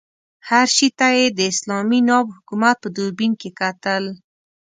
هر شي ته یې د اسلامي ناب حکومت په دوربین کې کتل.